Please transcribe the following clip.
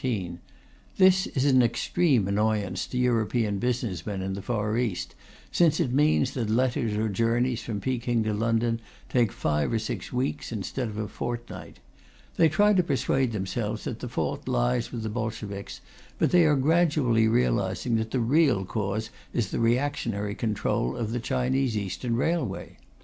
This is an extreme annoyance to European business men in the Far East, since it means that letters or journeys from Peking to London take five or six weeks instead of a fortnight. They try to persuade themselves that the fault lies with the Bolsheviks, but they are gradually realizing that the real cause is the reactionary control of the Chinese Eastern Railway.